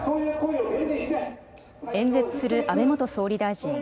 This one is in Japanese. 演説する安倍元総理大臣。